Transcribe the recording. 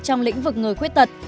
trong lĩnh vực người khuyết thật